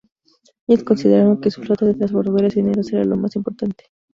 Ellos consideraron que su flota de transbordadores mineros era lo más importante.